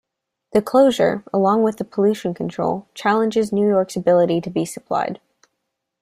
The closure, along with pollution control, challenges New York's ability to be supplied.